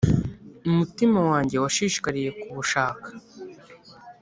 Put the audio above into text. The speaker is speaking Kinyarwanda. Umutima wanjye washishikariye kubushaka,